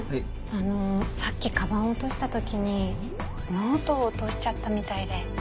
あのさっきカバンを落とした時にノートを落としちゃったみたいで。